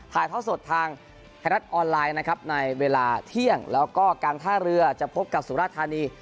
ท่อสดทางไทยรัฐออนไลน์นะครับในเวลาเที่ยงแล้วก็การท่าเรือจะพบกับสุราธานี